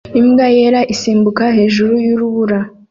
Imbwa yera isimbukira hejuru yurubura